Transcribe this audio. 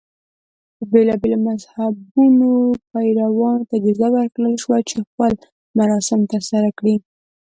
د بېلابېلو مذهبونو پیروانو ته اجازه ورکړل شوه چې خپل مراسم ترسره کړي.